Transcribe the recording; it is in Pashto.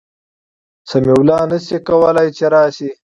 سمیع الله نسي کولای چي راسي